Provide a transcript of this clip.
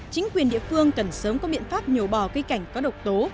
chính quyền địa phương cần sớm có biện pháp nhổ bỏ cây cảnh có độc tố